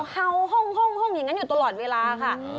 เห่าห้องอย่างนั้นอยู่ตลอดเวลาค่ะ